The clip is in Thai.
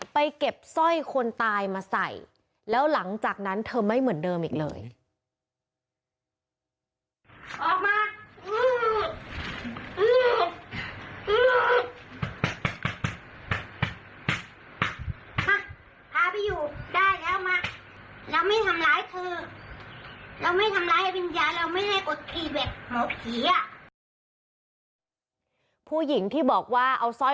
ไปเก็บสร้อยคนตายมาใส่แล้วหลังจากนั้นเธอไม่เหมือนเดิมอีกเลย